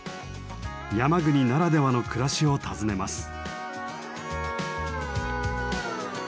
山国ならではの暮らしを訪ねます。